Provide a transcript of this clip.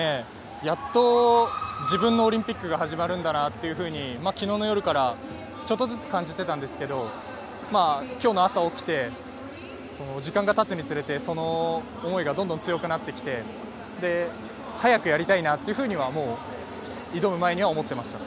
やっと自分のオリンピックが始まるんだなというふうに昨日の夜からちょっとずつ感じていたんですけど今日の朝起きて時間が経つにつれてその思いがどんどん強くなってきて、早くやりたいなというふうに挑む前には思っていました。